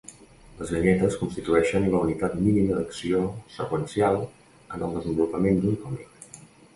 Les vinyetes constitueixen la unitat mínima d'acció seqüencial en el desenvolupament d'un còmic.